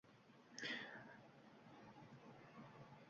Tonglab Odilbek bozorga chiqayotganda Fotimaxonim unga picha pul berdi.